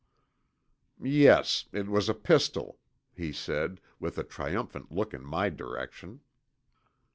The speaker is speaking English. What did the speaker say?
"Yes, it was a pistol," he said, with a triumphant look in my direction.